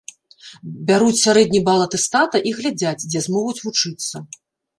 Бяруць сярэдні бал атэстата і глядзяць, дзе змогуць вучыцца.